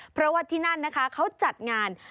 เพราะว่าที่นั่นนะคะเขาจัดงาน